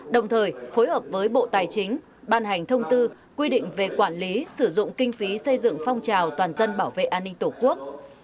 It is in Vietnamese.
đồng thời phối hợp với bộ tài chính ban hành thông tư quy định về quản lý sử dụng kinh phí xây dựng phong trào toàn dân bảo vệ an ninh tổ quốc